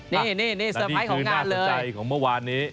นี่สไปของงานเลยนี่คือหน้าสนใจของเมื่อวานนี้